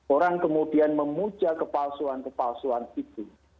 orang kemudian memuja kepalsuan kepalsuan itu